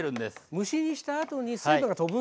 蒸し煮したあとに水分がとぶんでね